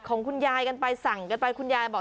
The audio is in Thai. โอเคค่ะ